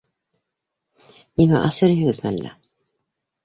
— Нимә, ас йөрөйһөгөҙмө әллә?